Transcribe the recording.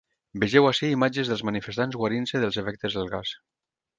Vegeu ací imatges dels manifestants guarint-se dels efectes del gas.